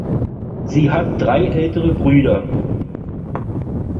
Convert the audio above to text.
Sie hat drei ältere Brüder.